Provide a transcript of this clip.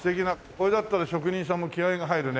これだったら職人さんも気合が入るね。